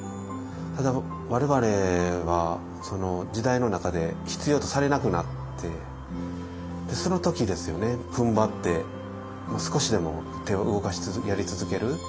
ただ我々は時代の中で必要とされなくなってその時ですよねふんばって少しでも手を動かしつつやり続ける。